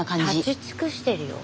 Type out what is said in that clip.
立ち尽くしてるよ。